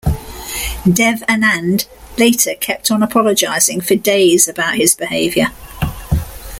Dev Anand later kept on apologising for days about his behaviour.